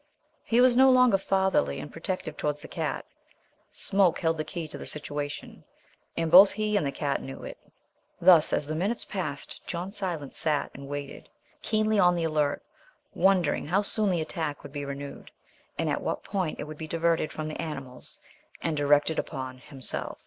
He was no longer fatherly and protective towards the cat. Smoke held the key to the situation; and both he and the cat knew it. Thus, as the minutes passed, John Silence sat and waited, keenly on the alert, wondering how soon the attack would be renewed, and at what point it would be diverted from the animals and directed upon himself.